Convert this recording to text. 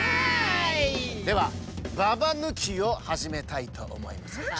ではババぬきをはじめたいとおもいます。